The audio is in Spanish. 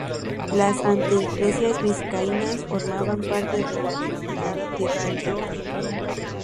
Las anteiglesias vizcaínas formaban parte de la denominada Tierra Llana.